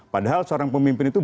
padahal seorang pemimpin itu